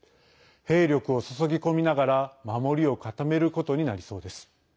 兵力を注ぎ込みながら守りを固めることになりそうです。